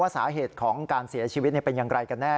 สาเหตุของการเสียชีวิตเป็นอย่างไรกันแน่